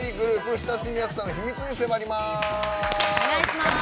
親しみやすさの秘密に迫ります。